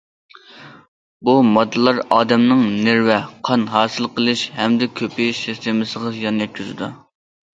بۇ ماددىلار ئادەمنىڭ نېرۋا، قان ھاسىل قىلىش ھەمدە كۆپىيىش سىستېمىسىغا زىيان يەتكۈزىدۇ.